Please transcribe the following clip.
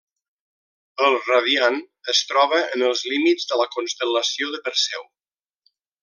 El radian es troba en els límits de la constel·lació de Perseu.